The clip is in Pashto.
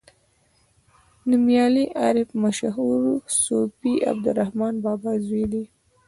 نومیالی عارف مشهور صوفي عبدالرحمان بابا زوی دی.